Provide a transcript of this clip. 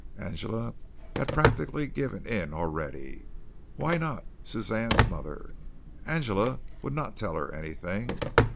Angela had practically given in already. Why not Suzanne's mother? Angela would not tell her anything.